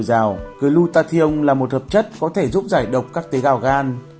glutathione là một hợp chất có thể giúp giải độc các tế gạo gan